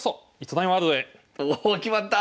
おお決まった！